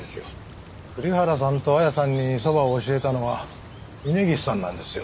栗原さんと綾さんにそばを教えたのは峯岸さんなんですよ。